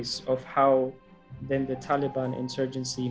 bagaimana insuransi taliban memperbaiki sini